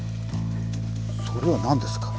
それは何ですか？